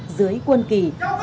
dưới quân kỳ